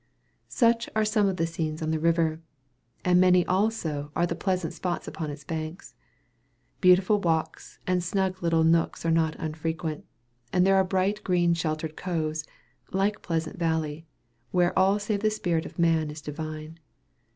Such are some of the scenes on the river, and many are also the pleasant spots upon its banks. Beautiful walks and snug little nooks are not unfrequent; and there are bright green sheltered coves, like Pleasant Valley, where "all save the spirit of man is divine."